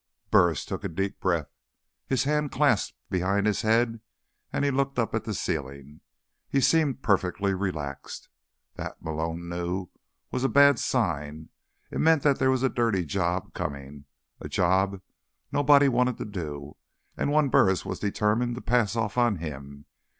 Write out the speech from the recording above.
Burris took a deep breath. His hands clasped behind his head, and he looked up at the ceiling. He seemed perfectly relaxed. That, Malone knew, was a bad sign. It meant that there was a dirty job coming, a job nobody wanted to do, and one Burris was determined to pass off on him.